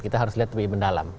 kita harus lihat lebih mendalam